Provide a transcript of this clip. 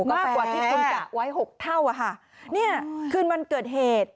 มากกว่าที่คุณกะไว้๖เท่าค่ะคืนมันเกิดเหตุ